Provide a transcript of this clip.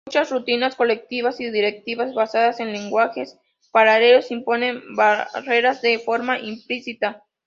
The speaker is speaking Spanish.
Muchas rutinas colectivas y directivas basadas en lenguajes paralelos imponen barreras de forma implícita.